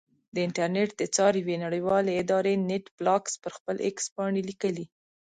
د انټرنېټ د څار یوې نړیوالې ادارې نېټ بلاکس پر خپل ایکس پاڼه لیکلي.